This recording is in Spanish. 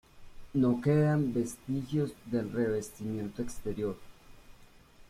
No quedan vestigios del revestimiento exterior.